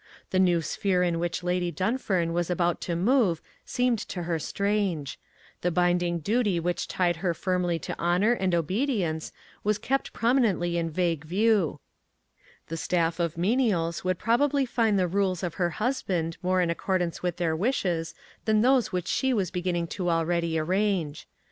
The new sphere in which Lady Dunfern was about to move seemed to her strange; the binding duty which tied her firmly to honour and obedience was kept prominently in vague view; the staff of menials would probably find the rules of her husband more in accordance with their wishes than those which she was beginning to already arrange.